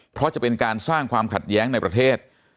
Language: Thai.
เพราะจะเป็นการสร้างความขัดแย้งในประเทศ